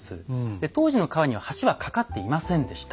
で当時の川には橋は架かっていませんでした。